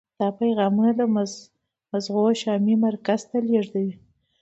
دا پیغامونه د مغزو شامعي مرکز ته لیږدوي.